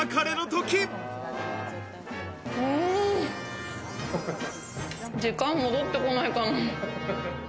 時間戻ってこないかな。